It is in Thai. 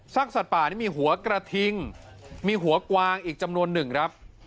สัตว์ป่านี่มีหัวกระทิงมีหัวกวางอีกจำนวนหนึ่งครับ